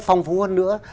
phong phú hơn nữa